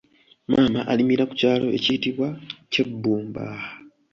Maama alimira ku kyalo ekiyitibwa Kyebbumba.